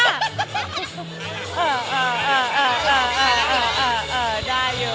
เออเอ่อเอ่อ